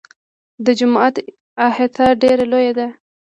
د جومات احاطه ډېره لویه ده.